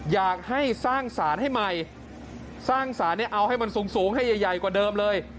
อยากให้สร้างสารให้ใหม่สร้างสารให้เอาให้มันสูงให้ใหญ่กว่าเดิมเลย